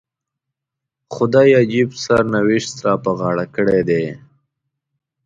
خدای عجیب سرنوشت را په غاړه کړی دی.